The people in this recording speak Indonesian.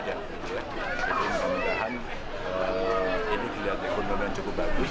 jadi kemudian ini tidak dikundang dan cukup bagus